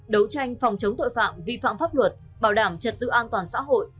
đấu tranh phòng chống tội phạm vi phạm pháp luật bảo đảm trật tự an toàn xã hội